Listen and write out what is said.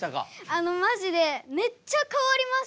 あのマジでめっちゃ変わりました。